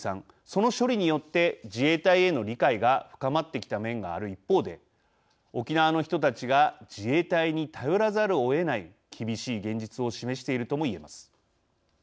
その処理によって自衛隊への理解が深まってきた面がある一方で沖縄の人たちが自衛隊に頼らざるをえない厳しい現実を示しているともいえます。